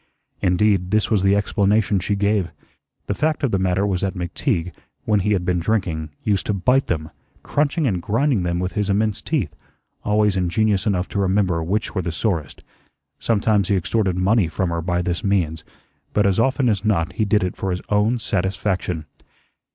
Indeed, this was the explanation she gave. The fact of the matter was that McTeague, when he had been drinking, used to bite them, crunching and grinding them with his immense teeth, always ingenious enough to remember which were the sorest. Sometimes he extorted money from her by this means, but as often as not he did it for his own satisfaction.